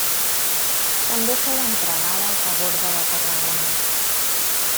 També fou entregada al Paborde de Tarragona.